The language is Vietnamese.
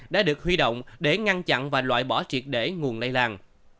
đã được huy động để ngăn chặn và loại bỏ triệt để nguồn lây lan